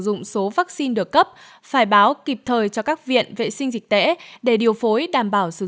dụng số vaccine được cấp phải báo kịp thời cho các viện vệ sinh dịch tễ để điều phối đảm bảo sự